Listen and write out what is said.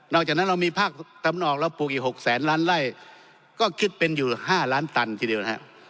จากนั้นเรามีภาคตะวันออกเราปลูกอีก๖แสนล้านไล่ก็คิดเป็นอยู่๕ล้านตันทีเดียวนะฮะ